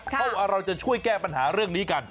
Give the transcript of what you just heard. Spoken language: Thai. เพราะว่าเราจะช่วยแก้ปัญหาเรื่องนี้กัน